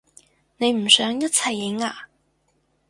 你唔想一齊影啊？